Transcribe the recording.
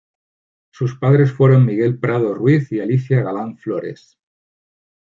Sus padres fueron Miguel Prado Ruiz y Alicia Galán Flores.